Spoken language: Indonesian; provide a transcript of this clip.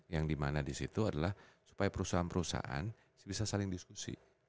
yang di mana di situ adalah supaya perusahaan perusahaan bisa saling diskusi